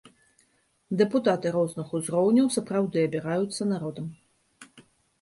Дэпутаты розных узроўняў сапраўды абіраюцца народам.